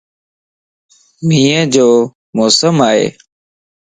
مينھن جو موسم ائي